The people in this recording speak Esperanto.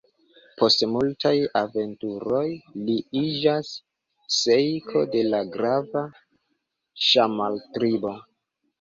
Post multaj aventuroj li iĝas ŝejko de la grava Ŝammar-tribo.